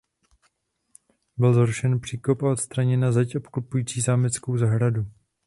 Byl zrušen příkop a odstraněna zeď obklopující zámeckou zahradu.